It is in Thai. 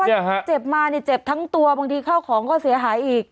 เพราะว่าเจ็บมาเจ็บทั้งตัวบางทีเข้าของก็เสียหายอีก